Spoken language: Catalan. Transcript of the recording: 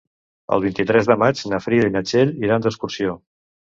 El vint-i-tres de maig na Frida i na Txell iran d'excursió.